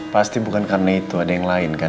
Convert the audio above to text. pasti bukan karena itu ada yang lain kan